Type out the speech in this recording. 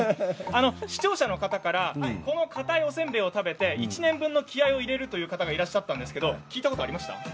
視聴者の方からこのかたいせんべいを食べて１年の気合いを入れるという声がありましたが聞いたことありますか？